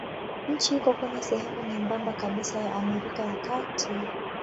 Nchi iko kwenye sehemu nyembamba kabisa ya Amerika ya Kati.